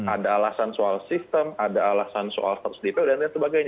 ada alasan soal sistem ada alasan soal status detail dan lain sebagainya